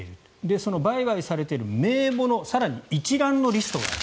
その売買されている名簿の更に一覧のリストがある。